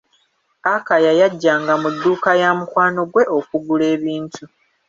Akaya yajjanga mu dduuka ya mukwano gwe okugula ebintu.